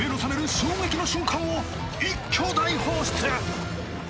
衝撃の瞬間を一挙大放出！